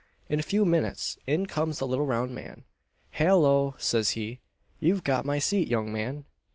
In a few minutes in comes the little round man "Hallo!" says he, "you've got my seat, young man."